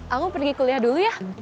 aku pergi kuliah dulu ya